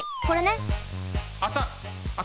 これね。